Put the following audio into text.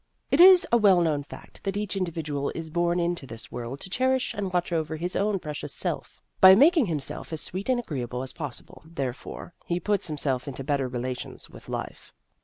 (It is a well known fact that each individual is born into this world to cherish and watch over his own precious self. By making himself as sweet and agreeable as possible, therefore, he puts himself into better relations with life.)